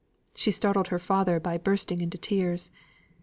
She startled her father by bursting into tears.